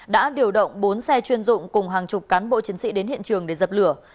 đã điều động bốn xe chuyên dụng cùng hàng chục cán bộ chiến sĩ đến hiện trường để dập lửa